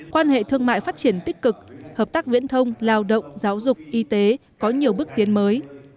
quan hệ thương mại phát triển tích cực hợp tác viễn thông lao động giáo dục y tế có nhiều bước tiến mới